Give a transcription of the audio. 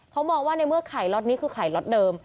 เขามองว่าในเมื่อไข่ล็อตนี้คือไข่ล็อตเดิม